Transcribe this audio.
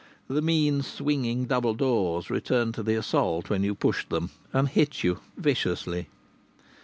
The mean, swinging double doors returned to the assault when you pushed them, and hit you viciously.